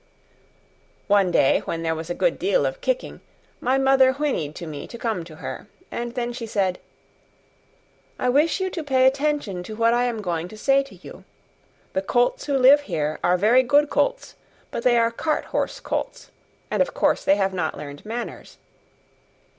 One day, when there was a good deal of kicking, my mother whinnied to me to come to her, and then she said: "I wish you to pay attention to what I am going to say to you. The colts who live here are very good colts, but they are cart horse colts, and of course they have not learned manners.